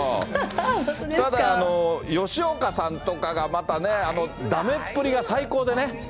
ただ、吉岡さんとか、またね、だめっぷりが最高でね。